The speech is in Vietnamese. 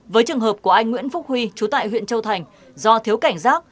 với trường hợp của anh nguyễn phúc huy chú tại huyện châu thành do thiếu cảnh giác